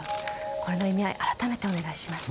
これの意味合い改めてお願いします。